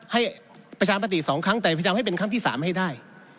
ให้ประชาปธิสองครั้งแต่ประชาให้เป็นครั้งที่สามให้ได้